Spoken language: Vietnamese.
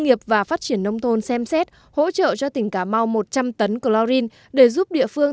nghiệp và phát triển nông thôn xem xét hỗ trợ cho tỉnh cà mau một trăm linh tấn chlorin để giúp địa phương